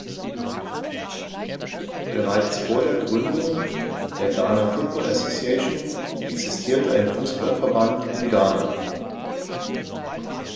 Bereits vor der Gründung der Ghana Football Association existierte ein Fußballverband in Ghana.